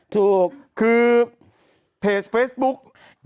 ถูก